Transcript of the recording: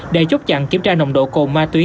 để chốt chặn kiểm tra nồng độ cồn ma túy